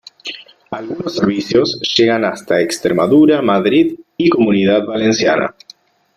Algunos servicios llegan hasta Extremadura, Madrid y Comunidad Valenciana.